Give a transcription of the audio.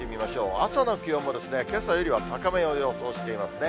朝の気温も、けさよりは高めを予想していますね。